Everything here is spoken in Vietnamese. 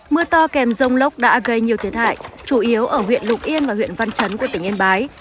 mưa to kèm rông lốc đã gây nhiều thiệt hại chủ yếu ở huyện lục yên và huyện văn chấn của tỉnh yên bái